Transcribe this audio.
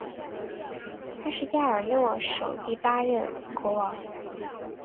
他是亚尔诺第八任国王。